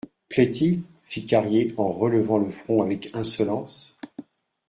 Plaît-il ? fit Carrier en relevant le front avec insolence.